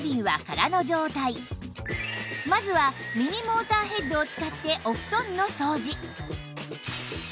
まずはミニモーターヘッドを使ってお布団の掃除